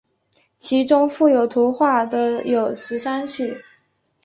其中附有图画的有十三曲。